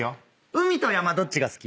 海と山どっちが好き？